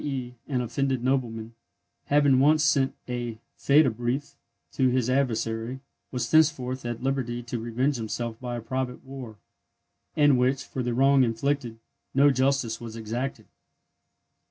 e._ an offended nobleman, having once sent a Fehde brief to his adversary, was thenceforth at liberty to revenge himself by a private war, in which, for the wrong inflicted, no justice was exacted.